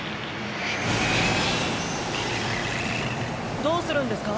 どうするんですか？